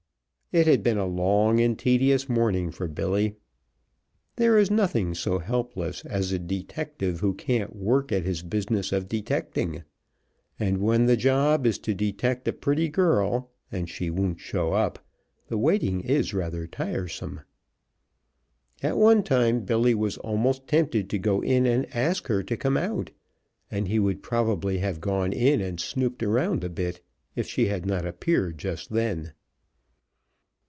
It had been a long and tedious morning for Billy. There is nothing so helpless as a detective who can't work at his business of detecting, and when the job is to detect a pretty girl, and she won't show up, the waiting is rather tiresome. At one time Billy was almost tempted to go in and ask her to come out, and he would probably have gone in and snooped around a bit, if she had not appeared just then.